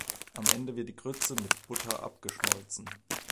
Am Ende wird die Grütze mit Butter abgeschmolzen.